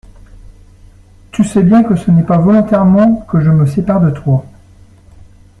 Tu sais bien que ce n'est pas volontairement que je me sépare de toi.